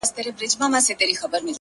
ځمه و لو صحراته ـ